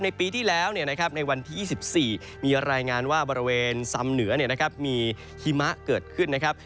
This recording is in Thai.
ปีที่แล้วในวันที่๒๔มีรายงานว่าบริเวณซ้ำเหนือมีหิมะเกิดขึ้นนะครับ